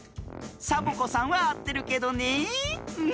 サボ子さんはあってるけどねえ。